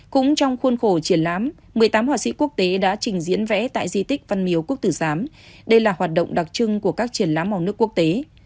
cũng trong khuôn khổ triển lãm một mươi tám họa sĩ quốc tế đã trình diễn vẽ tại di tích văn miếu quốc tử giám đây là hoạt động đặc trưng của các triển lãm màu nước quốc tế